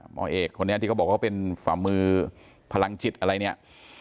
หมอเอกคนนี้ที่เขาบอกว่าเป็นฝ่ามือพลังจิตอะไรเนี่ย